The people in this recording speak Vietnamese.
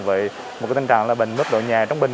với một tình trạng là bệnh mức độ nhẹ trống bình